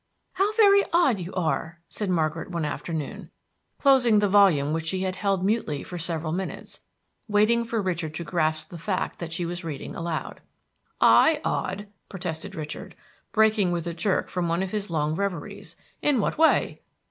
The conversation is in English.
"How very odd you are!" said Margaret, one afternoon, closing the volume which she had held mutely for several minutes, waiting for Richard to grasp the fact that she was reading aloud. "I odd!" protested Richard, breaking with a jerk from one of his long reveries. "In what way?"